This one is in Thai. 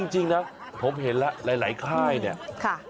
จริงนะผมเห็นแล้วหลายค่ายเนี่ย